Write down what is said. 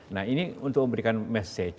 nah ini untuk memberikan message